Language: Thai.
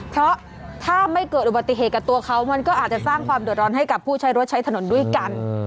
เพราะถ้าไม่เกิดอุบัติเหตุกับตัวเขามันก็อาจจะสร้างความเดือดร้อนให้กับผู้ใช้รถใช้ถนนด้วยกัน